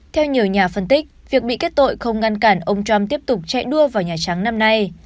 theo nhiều nhà phân tích việc bị kết tội không ngăn cản ông trump tiếp tục chạy đua vào nhà trắng năm nay